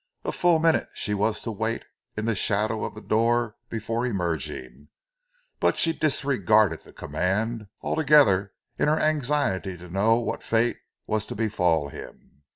A full minute she was to wait in the shadow of the door before emerging, but she disregarded the command altogether in her anxiety to know what fate was to befall him.